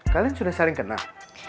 kalian sudah saling kenal